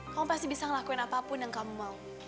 kamu pasti bisa ngelakuin apapun yang kamu mau